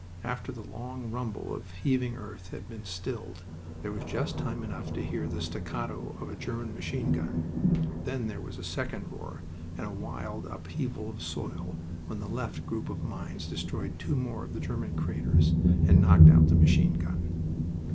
After the long rumble of heaving earth had been stilled there was just time enough to hear the staccato of a German machine gun. Then there was a second roar and a wild upheaval of soil when the left group of mines destroyed two more of the German craters and knocked out the machine gun.